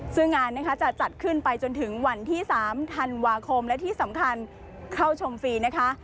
ซึ่งงานนะคะจะจัดขึ้นไปจนถึงวันที่๓ธันวาคมและที่สำคัญเข้าชมฟรีนะคะ